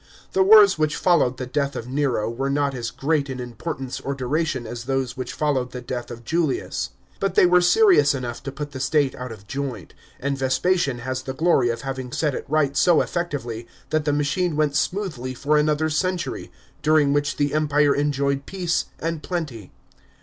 The wars which followed the death of Nero were not as great in importance or duration as those which followed the death of Julius. But they were serious enough to put the state out of joint, and Vespasian has the glory of having set it right so effectively that the machine went smoothly for another century, during which the empire enjoyed peace End plenty.